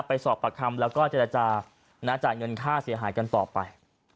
ไปสอบปากคำแล้วก็จะจากเงินค่าเสียหายกันต่อไป